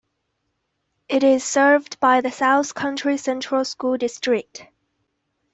It is served by the South Country Central School District.